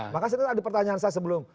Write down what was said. makanya ada pertanyaan saya sebelum